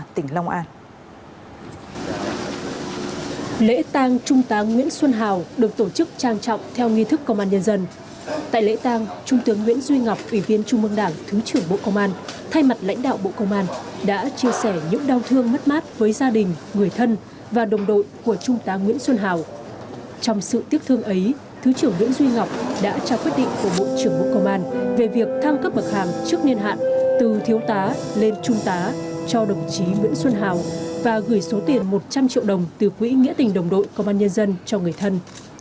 trong sự tiếc thương ấy thứ trưởng nguyễn duy ngọc đã trao quyết định của bộ trưởng bộ công an về việc tham cấp bậc hàng trước niên hạn từ thiếu tá lên trung tá cho đồng chí nguyễn xuân hào và gửi số tiền một trăm linh triệu đồng từ quỹ nghĩa tình đồng đội công an nhân dân cho người thân